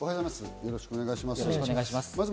よろしくお願いします。